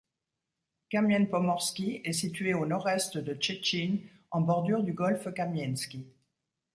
Kamień Pomorski est située à au nord-est de Szczecin, en bordure du golfe Kamieński.